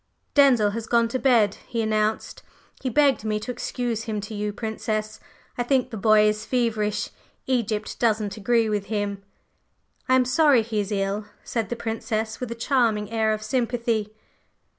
"Denzil has gone to bed," he announced. "He begged me to excuse him to you, Princess. I think the boy is feverish. Egypt doesn't agree with him." "I am sorry he is ill," said the Princess with a charming air of sympathy.